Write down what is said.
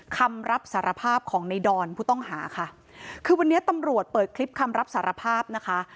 คำรับสารภาพของในดอนผู้ต้องหาค่ะคือวันนี้ตำรวจเปิดคลิปคำรับสารภาพนะคะ